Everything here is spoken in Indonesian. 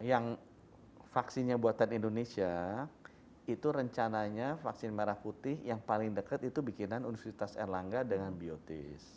nah yang vaksinnya buatan indonesia itu rencananya vaksin merah putih yang paling dekat itu bikinan universitas erlangga dengan biotis